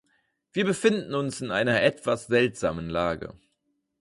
Wir befinden uns in einer etwas seltsamen Lage.